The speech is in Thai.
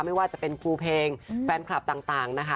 ไม่ว่าจะเป็นครูเพลงแฟนคลับต่างนะคะ